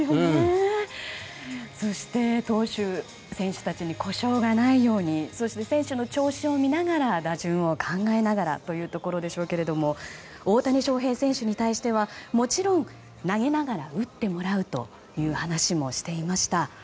そして投手選手たちに故障がないようにそして選手の調子を見ながら打順を考えながらでしょうけれども大谷翔平選手に対してはもちろん投げながら打ってもらうという話もしていました。